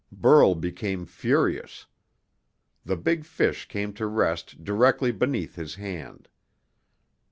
Burl became furious. The big fish came to rest directly beneath his hand.